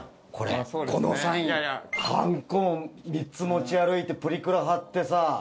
はんこも３つ持ち歩いてプリクラ貼ってさ。